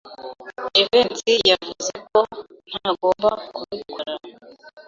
Jivency yavuze ko ntagomba kubikora.